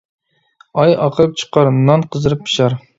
ئاي ئاقىرىپ چىقار، نان قىزىرىپ پىشار.